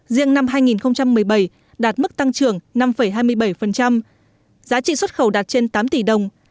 riêng năm hai nghìn một mươi bảy đạt mức tăng trưởng năm hai mươi bảy giá trị xuất khẩu đạt trên tám tỷ đồng